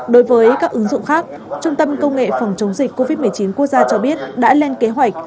đối với các ứng dụng khác trung tâm công nghệ phòng chống dịch covid một mươi chín quốc gia cho biết đã lên kế hoạch